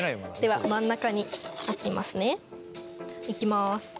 では真ん中に置きますね。いきます。